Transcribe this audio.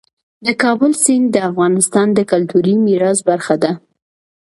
د کابل سیند د افغانستان د کلتوري میراث برخه ده.